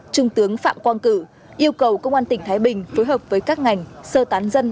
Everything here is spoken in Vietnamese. trung tướng phạm quang cử yêu cầu công an tỉnh thái bình phối hợp với các ngành sơ tán dân